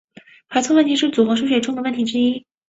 错排问题是组合数学中的问题之一。